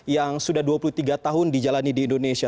yang sudah dua puluh tiga tahun dijalani di indonesia